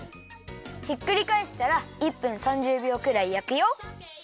ひっくりかえしたら１分３０びょうくらいやくよ。